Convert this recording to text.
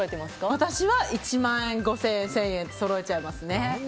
私は１万円、５０００円１０００円とそろえちゃいますね。